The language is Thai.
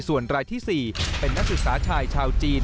ส่วนรายที่๔เป็นนักศึกษาชายชาวจีน